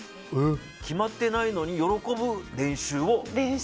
決まってないのに喜ぶ練習を？